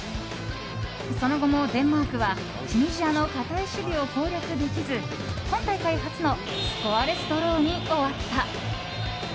その後もデンマークはチュニジアの堅い守備を攻略できず今大会初のスコアレスドローに終わった。